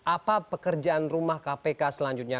apa pekerjaan rumah kpk selanjutnya